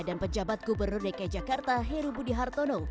dan pejabat gubernur dki jakarta heru budi hartono